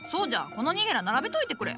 このニゲラ並べといてくれ。